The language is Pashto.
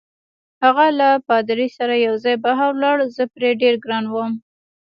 هغه له پادري سره یوځای بهر ولاړ، زه پرې ډېر ګران وم.